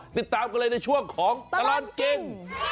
ติดตามกันเลยในช่วงของตลอดกิน